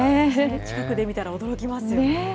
近くで見たら驚きますよね。